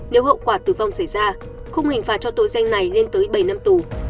nếu hậu quả tử vong xảy ra khung hình phạt cho tội danh này lên tới bảy năm tù